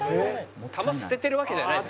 球捨ててるわけじゃない。